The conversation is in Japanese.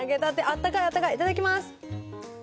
あったかいいただきます！